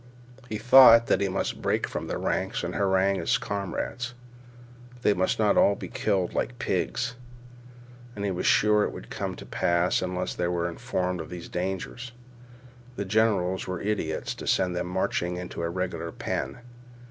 He thought that he must break from the ranks and harangue his comrades. They must not all be killed like pigs; and he was sure it would come to pass unless they were informed of these dangers. The generals were idiots to send them marching into a regular pen.